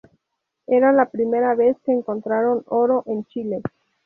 Era la primera vez que encontraron oro en Chile.